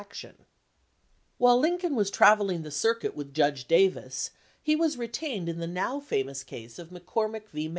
254 LEGAL REPUTATION While Lincoln was traveling the circuit with Judge Davis, he was retained in the now famous case of McCormick v.